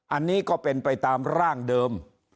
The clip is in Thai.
อันนี้ก็เป็นไปตามร่างเดิม